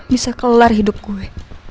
bisa kelar hidup gue